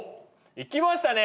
いきましたね